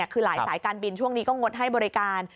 คือหลายสายการบินช่วงนี้ก็งดให้บริการ